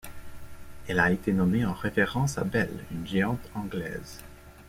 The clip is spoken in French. Elle a été nommée en référence à Bell, une géante anglaise.